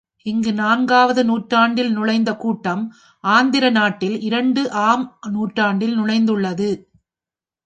இங்கு நான்காவது நூற்றாண்டில் நுழைந்த கூட்டம் ஆந்திர நாட்டில் இரண்டு ஆம் நூற்றாண்டில் நுழைந்துள்ளது.